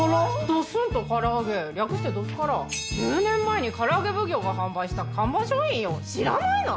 どすんとからあげ略して「どすから」。１０年前にからあげ奉行が販売した看板商品よ。知らないの？